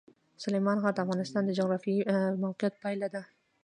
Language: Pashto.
سلیمان غر د افغانستان د جغرافیایي موقیعت پایله ده.